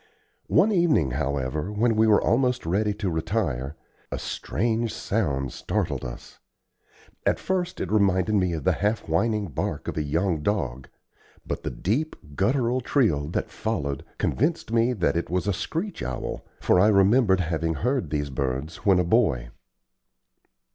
One evening, however, when we were almost ready to retire, a strange sound startled us. At first it reminded me of the half whining bark of a young dog, but the deep, guttural trill that followed convinced me that it was a screech owl, for I remembered having heard these birds when a boy.